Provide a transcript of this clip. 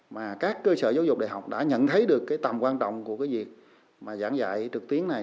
mà các cơ sở giáo dục đại học đã nhận thấy được tầm quan trọng của việc giảng dạy trực tuyến này